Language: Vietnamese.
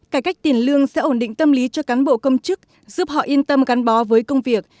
cải cách tiền lương sẽ ổn định tâm lý cho cán bộ công chức giúp họ yên tâm gắn bó với công việc